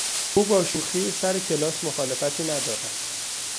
او با شوخی سر کلاس مخالفتی ندارد.